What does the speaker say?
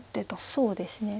そうですね。